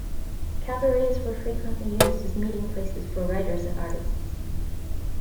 Cabarets were frequently used as meeting places for writers and artists.